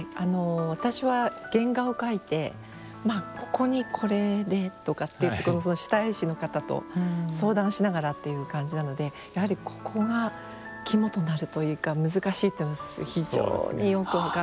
私は原画を描いてここにこれでとかっていう下絵師の方と相談しながらっていう感じなのでやはりここが肝となるというか難しいというのは非常によく分かって。